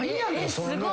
すごい。